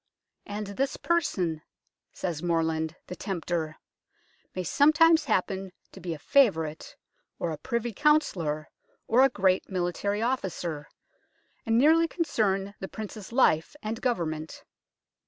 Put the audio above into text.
" And this person," says Morland, the tempter, " may sometimes happen to be a favourite, or a Privy Councillor, or a great military officer, and nearly concern the Prince's life and government."